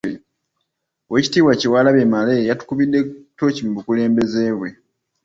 Oweekitiibwa Kyewalabye Male yatukubidde ttooki mu bukulembeze bwe.